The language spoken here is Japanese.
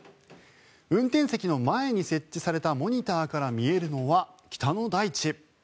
運転席の前に設置されたモニターから見えるのは北の大地。